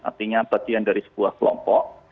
artinya bagian dari sebuah kelompok